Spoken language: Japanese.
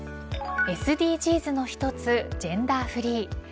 ＳＤＧｓの一つジェンダーフリー。